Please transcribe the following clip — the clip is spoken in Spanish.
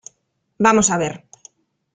Vamos a ver.